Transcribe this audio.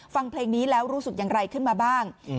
ฟังเพลงนี้แล้วรู้สึกอย่างไรขึ้นมาบ้าง